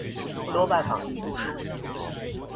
多拜訪異地